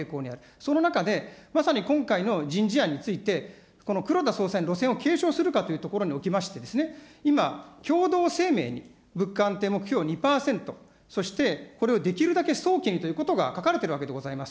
その中で、まさに今回の人事案について、黒田総裁の路線を継承するかというところにおきまして、今共同声明に、物価安定目標２％、そしてこれをできるだけ早期にということが書かれているわけでございます。